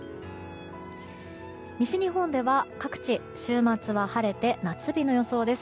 西日本では、各地週末は晴れて夏日の予想です。